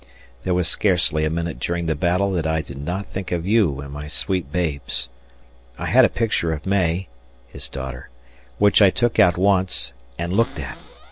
... There was scarcely a minute during the battle that I did not think of you and my sweet babes. I had a picture of May [his daughter] which I took out once and looked at.